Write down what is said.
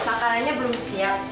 makanannya belum siap